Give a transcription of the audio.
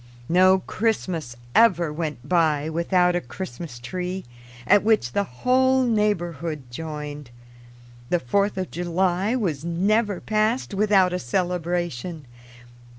No Christmas ever went by without a Christmas tree, at which the whole neighborhood joined. The Fourth of July was never passed without a celebration.